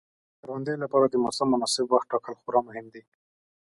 د کروندې لپاره د موسم مناسب وخت ټاکل خورا مهم دي.